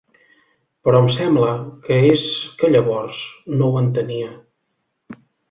Però em sembla que és que llavors no ho entenia.